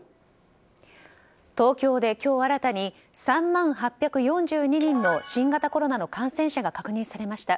東京で今日新たに３万８４２人の新型コロナの感染者が確認されました。